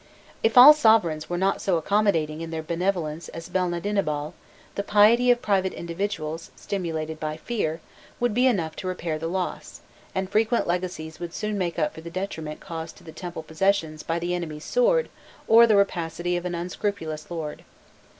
If all sovereigns were not so accommodating in their benevolence as Belnadinabal, the piety of private individuals, stimulated by fear, would be enough to repair the loss, and frequent legacies would soon make up for the detriment caused to the temple possessions by the enemy's sword or the rapacity of an unscrupulous lord.